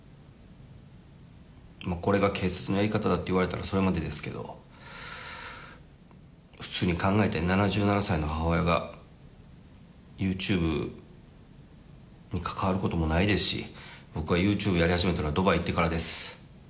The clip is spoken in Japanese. もうこれが警察のやり方だって言われたらそれまでですけど、普通に考えて、７７歳の母親が、ユーチューブに関わることもないですし、僕がユーチューブやり始めたのはドバイ行ってからです。